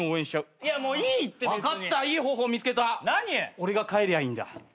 俺が帰りゃいいんだ。